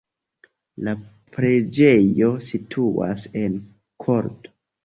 La preĝejo situas en korto.